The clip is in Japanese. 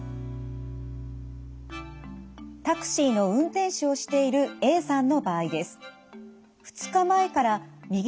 タクシーの運転手をしているＡさんの場合です。